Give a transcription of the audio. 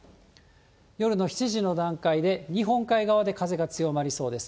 夜の７時の段階で、日本海側で風が強まりそうです。